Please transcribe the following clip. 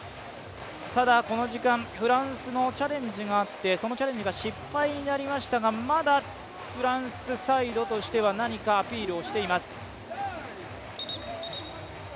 ただこの時間、フランスのチャレンジがあってそのチャレンジが失敗になりましたがまだフランスサイドとしては何かアピールをしています。